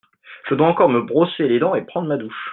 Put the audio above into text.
Je dois encore me brosser les dents et prendre ma douche.